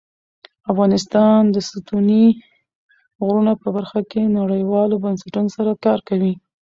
افغانستان د ستوني غرونه په برخه کې نړیوالو بنسټونو سره کار کوي.